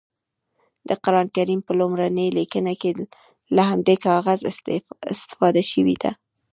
د قرانکریم په لومړنۍ لیکنه کې له همدې کاغذه استفاده شوې ده.